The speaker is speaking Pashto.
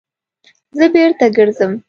_زه بېرته ګرځم.